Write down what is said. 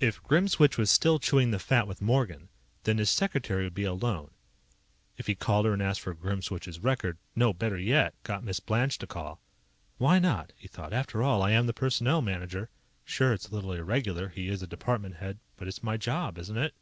If Grimswitch was still chewing the fat with Morgan, then his secretary would be alone If he called her and asked for Grimswitch's record no, better yet, got Miss Blanche to call Why not? he thought. _After all, I am the Personnel Manager. Sure, it's a little irregular. He IS a department head. But it's my job, isn't it?